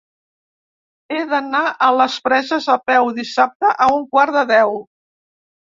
He d'anar a les Preses a peu dissabte a un quart de deu.